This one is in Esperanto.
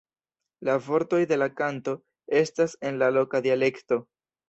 La vortoj de la kanto estas en la loka dialekto.